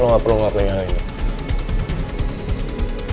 lo gak perlu ngelakuin hal ini